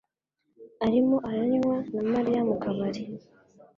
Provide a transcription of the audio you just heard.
arimo aranywa na Mariya mu kabari.